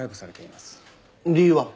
理由は？